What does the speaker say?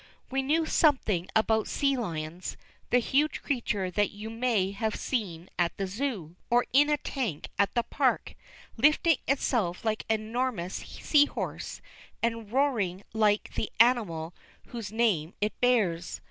We knew something about sea lions, the huge creature that you may have seen at the Zoo, or in a tank at the park, lifting itself like an enormous sea horse, and roaring like the animal whose name it bears.